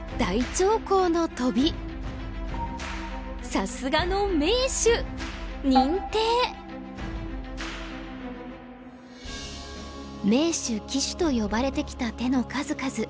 さすがの名手・鬼手と呼ばれてきた手の数々。